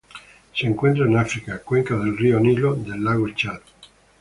Se encuentran en África: cuencas del río Nilo del lago Chad.